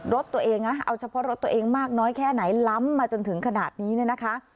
รถตัวเองนะเอาเฉพาะรถตัวเองมากน้อยแค่ไหนล้ำมาจนถึงขนาดนี้เนี่ยนะคะ